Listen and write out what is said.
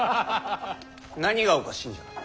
何がおかしいんじゃ。